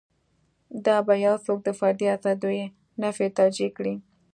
دا به یو څوک د فردي ازادیو نفي توجیه کړي.